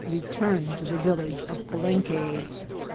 — Return to the Village of Palenque.